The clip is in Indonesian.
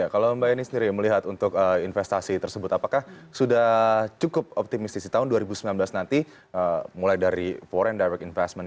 kalau mbak eni sendiri melihat untuk investasi tersebut apakah sudah cukup optimis di tahun dua ribu sembilan belas nanti mulai dari foreign direct investment